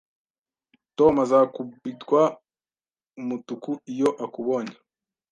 Tom azakubitwa umutuku iyo akubonye